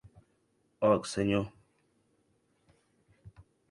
Òc, senhor.